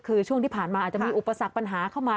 คือช่วงที่ผ่านมาอาจจะมีอุปสรรคปัญหาเข้ามา